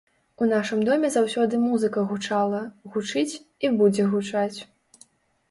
У нашым доме заўсёды музыка гучала, гучыць і будзе гучаць.